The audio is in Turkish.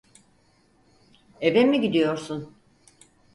Eve mi gidiyorsun?